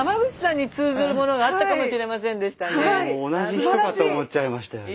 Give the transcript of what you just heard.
もう同じ人かと思っちゃいましたよ。